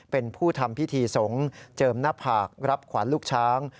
เป็นผู้ทำพิธีสงฆ์เจิมหน้าผากรับขวัญลูกช้าง